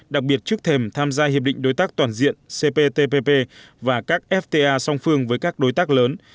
đặc biệt trước thềm tham gia hiệp định đối tác toàn diện cptpp và các fta song phương với các đối tác lớn